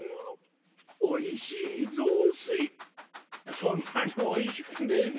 「そんなにおいしくねえべ。